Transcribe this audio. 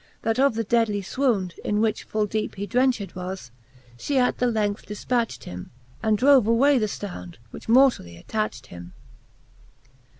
That of the deadly fvvound, in which full deepe He drenched was, fhe at the lenght difpacht him. And drove away the ftound, which mortally attacht him.